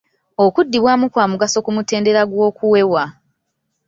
Okuddibwamu kwa mugaso ku mutendera gw'okuwewa.